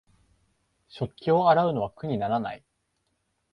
食器を洗うのは苦にならない